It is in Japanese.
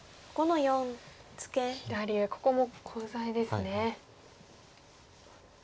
左上ここもコウ材ですね。